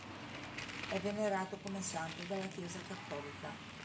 È venerato come santo dalla chiesa cattolica.